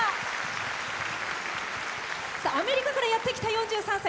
アメリカからやって来た４３歳。